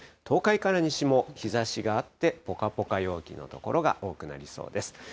東海から西も日ざしがあって、ぽかぽか陽気の所が多くなりそうです。